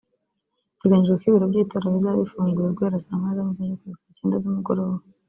Biteganyijwe ko ibiro by’itora bizaba bifunguye guhera saa moya za mugitondo kugeza saa cyenda z’umugoroba